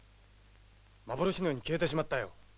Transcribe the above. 幻のように消えてしまったよ。